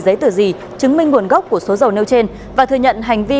anh gì mà xinh thế